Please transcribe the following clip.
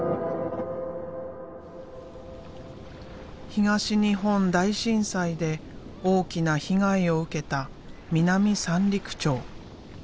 東日本大震災で大きな被害を受けた南三陸町。